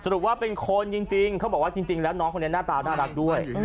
จริงเป็นคนจริงบอกว่าน้องนี้หน้าตาด้วย